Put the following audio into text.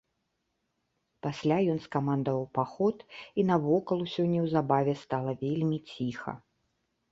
Пасля ён скамандаваў паход, і навокал усё неўзабаве стала вельмі ціха.